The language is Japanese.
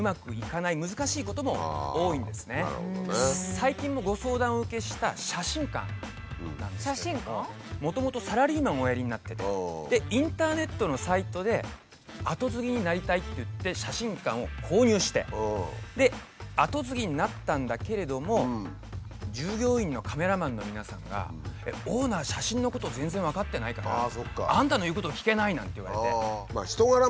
最近もご相談をお受けした写真館なんですけどももともとサラリーマンをおやりになっててインターネットのサイトで後継ぎになりたいっていって写真館を購入して後継ぎになったんだけれども従業員のカメラマンの皆さんが「オーナー写真のこと全然分かってないからあんたの言うこと聞けない」なんて言われて。